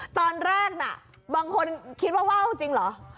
ตอนแรกน่ะบางคนคิดว่าว่าวจริงเหรอ